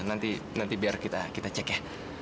nanti biar kita cek ya